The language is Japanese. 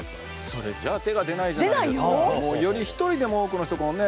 それじゃ手が出ないじゃない出ないよより１人でも多くの人このね